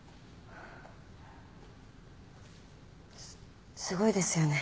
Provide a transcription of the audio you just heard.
すすごいですよね